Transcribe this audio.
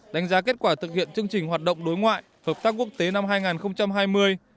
đánh giá kết quả thực hiện chương trình hoạt động đối ngoại hợp tác quốc tế năm hai nghìn hai mươi